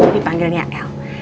tapi dipanggilnya el